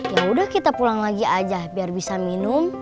yaudah kita pulang lagi aja biar bisa minum